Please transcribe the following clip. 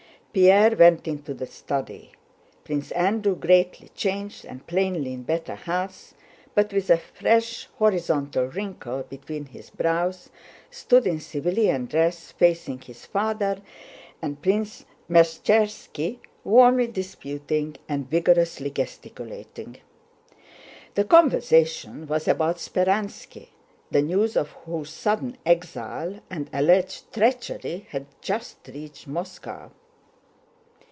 Pierre went into the study. Prince Andrew, greatly changed and plainly in better health, but with a fresh horizontal wrinkle between his brows, stood in civilian dress facing his father and Prince Meshchérski, warmly disputing and vigorously gesticulating. The conversation was about Speránski—the news of whose sudden exile and alleged treachery had just reached Moscow.